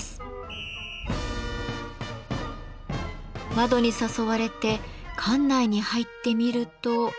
窓に誘われて館内に入ってみると。